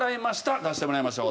出してもらいましょう。